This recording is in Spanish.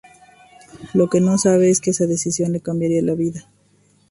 Lo que no sabe, es que esa decisión le cambiará la vida.